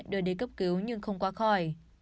ông t đã đưa đến cấp cứu nhưng không qua khỏi